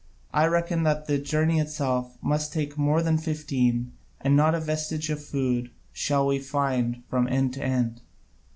I reckon that the journey itself must take more than fifteen, and not a vestige of food shall we find from end to end.